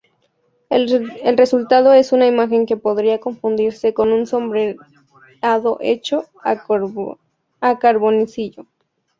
El resultado es una imagen que podría confundirse con un sombreado hecho a carboncillo.